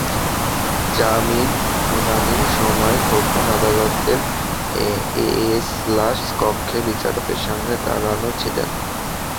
জামিন শুনানির সময় খোকন আদালতের এজলাস কক্ষে বিচারকের সামনে দাঁড়ানো ছিলেন।